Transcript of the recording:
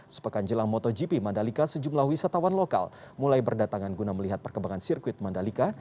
sepekan jelang motogp mandalika sejumlah wisatawan lokal mulai berdatangan guna melihat perkembangan sirkuit mandalika